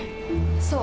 そう。